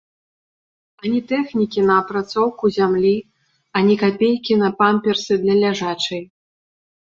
Ані тэхнікі на апрацоўку зямлі, ані капейкі на памперсы для ляжачай.